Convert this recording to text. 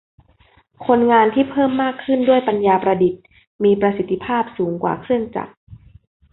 คนงานที่เพิ่มมากขึ้นด้วยปัญญาประดิษฐ์มีประสิทธิภาพสูงกว่าเครื่องจักร